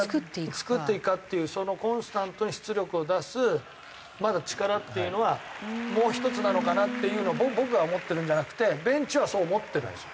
作っていくかっていうコンスタントに出力を出すまだ力っていうのはもう一つなのかなっていうの僕が思ってるんじゃなくてベンチはそう思ってるんですよ。